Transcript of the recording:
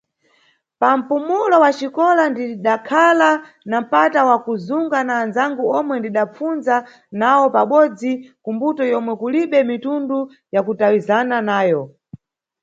Pa mpumulo wa xikola ndidakhala na mpata wa kuzunga na anzangu omwe ndidambapfunza nawo pabodzi ku mbuto yomwe kulibe mitundu ya kutawizana nayo.